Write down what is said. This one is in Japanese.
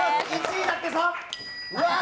１位だってさっ！